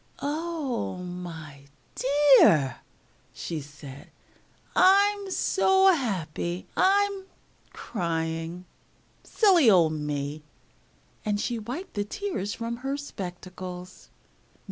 ] "Oh, my dear!" she said. "I'm so happy I'm crying. Silly old me!" and she wiped the tears from her spectacles.